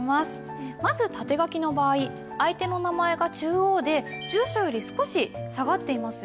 まず縦書きの場合相手の名前が中央で住所より少し下がっていますよね。